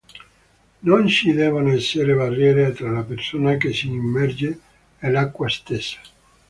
Non ci devono essere barriere tra la persona che si immerge e l'acqua stessa.